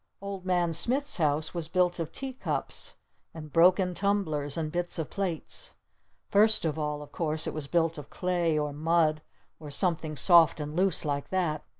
Old Man Smith's house was built of tea cups! And broken tumblers! And bits of plates! First of all, of course, it was built of clay or mud or something soft and loose like that!